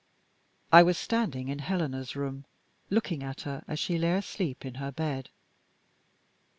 I was standing in Helena's room, looking at her as she lay asleep in her bed.